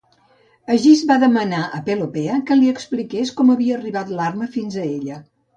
Egist va demanar a Pelopea, que li expliqués com havia arribat l'arma fins a ella.